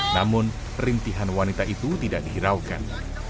namun rintihan wanita itu tidak dihiraukan